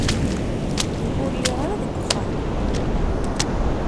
Ur lliɣ ara deg uxxam.